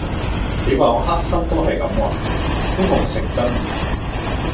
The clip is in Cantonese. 你話我黑心都係咁話，希望成真